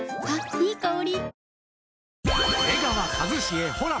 いい香り。